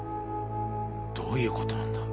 どういう事なんだ？